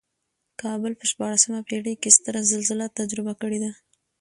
کابل په شپاړسمه پېړۍ کې ستره زلزله تجربه کړې ده.